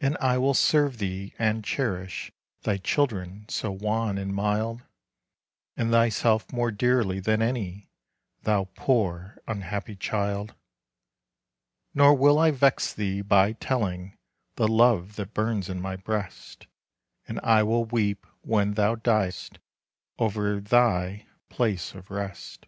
"And I will serve thee, and cherish Thy children so wan and mild. And thyself more dearly than any, Thou poor, unhappy child. "Nor will I vex thee by telling The love that burns in my breast; And I will weep when thou diest Over thy place of rest."